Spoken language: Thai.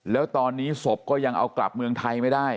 แล้วตอนนี้ศพก็ยังเอากลับเมืองไทยไม่ได้